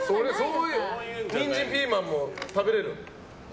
ニンジンピーマンも食べれる？